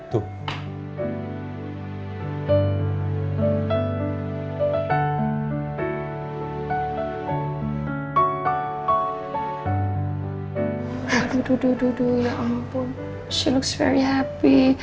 aduh aduh aduh aduh ya ampun dia kelihatan sangat senang